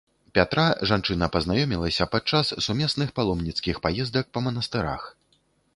Пятра жанчына пазнаёмілася падчас сумесных паломніцкіх паездак па манастырах.